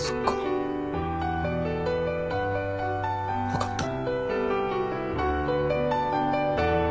分かった。